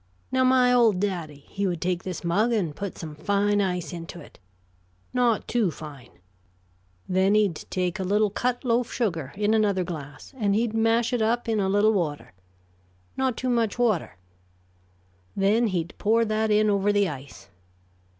Now, my old daddy, he would take this mug and put some fine ice into it, not too fine. Then he'd take a little cut loaf sugar, in another glass, and he'd mash it up in a little water not too much water then he'd pour that in over the ice.